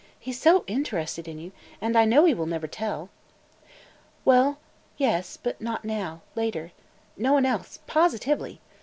"He 's so interested in you, and I know he will never tell!" "Well – yes, but not now. Later. No one else – positively.